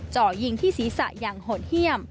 เจาะยิงที่ศีรษะอย่างห่วงเฮี่ยม